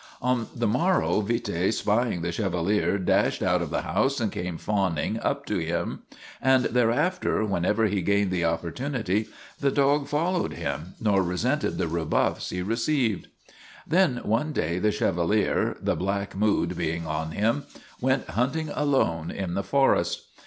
On the morrow Vite, spying the Chevalier, dashed out of the house and came fawning up to him. And HOUND OF MY LADY BLANCHE 243 thereafter, whenever he gained the opportunity, the dog followed him, nor resented the rebuffs he re ceived. Then one day the Chevalier, the black mood being on him, went hunting alone in the forest.